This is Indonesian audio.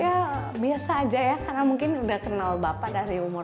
ya biasa aja ya karena mungkin udah kenal bapak dari umur